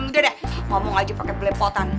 udah dah ngomong aja pake belepotan